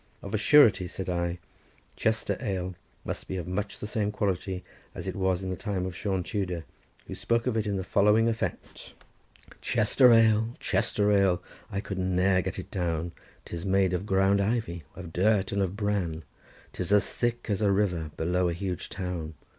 "Of, a surety," said I, "Chester ale must be of much the same quality as it was in the time of Sion Tudor, who spoke of it to the following effect:— "'Chester ale, Chester ale! I could ne'er get it down, 'Tis made of ground ivy, of dirt, and of bran, 'Tis as thick as a river below a huge town!